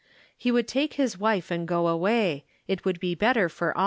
He would take his wife and go away ; it would be better for aU.